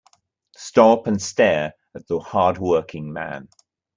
Stop and stare at the hard working man.